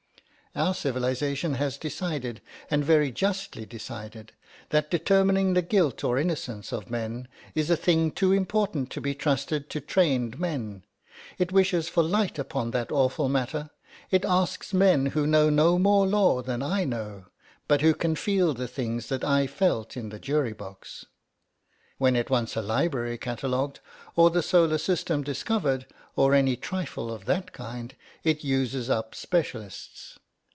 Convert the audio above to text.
Our civilisation has decided, and very justly decided, that determining the guilt or innocence of men is a thing too important to be trusted to trained men. It wishes for light upon that awful matter, it asks men who know no more law than I know, but who can feel the things that I felt in the jury box. When it wants a library catalogued, or the solar system discovered, or any trifle of that kind, it uses up specialists.